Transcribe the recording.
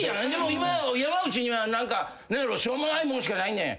今山内にはしょうもないもんしかないねん。